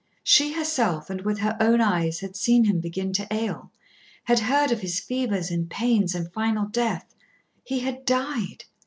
She herself, and with her own eyes had seen him begin to ail, had heard of his fevers and pains and final death. He had died.